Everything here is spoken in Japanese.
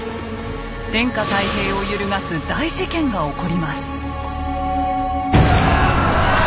天下太平を揺るがす大事件が起こります。